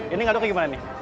ini ngaduk kayak gimana nih